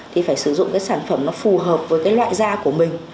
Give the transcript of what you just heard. thì phải sử dụng cái sản phẩm nó phù hợp với cái loại da của mình